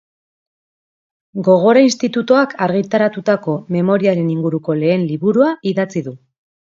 Gogora institutuak argitaratutako memoriaren inguruko lehen liburua idatzi du.